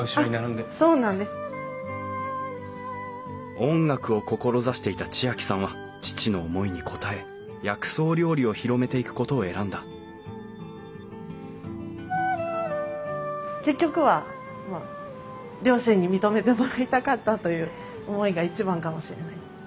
音楽を志していた知亜季さんは父の思いに応え薬草料理を広めていくことを選んだ結局はまあ両親に認めてもらいたかったという思いが一番かもしれない。